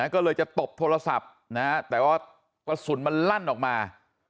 ก็เลยจะตบโทรศัพท์แต่ว่ากระสุนมันลั่นออกมา